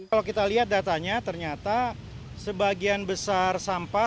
kalau kita lihat datanya ternyata sebagian besar sampah